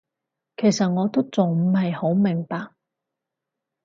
其實我都仲唔係好明白